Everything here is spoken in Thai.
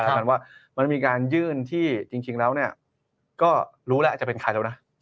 แล้วมันมีการยื่นที่จริงแล้วเนี่ยก็รู้แล้วจะเป็นใครแล้วนะ